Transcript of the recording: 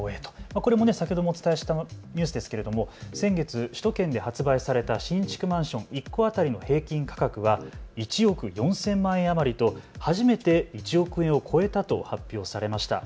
これも先ほどお伝えしたニュースですけれども先月、首都圏で発売された新築マンション１戸当たりの平均価格は１億４０００万円余りと初めて１億円を超えたと発表されました。